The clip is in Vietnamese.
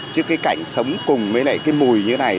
chứ cái cảnh sống cùng với lại cái mùi như này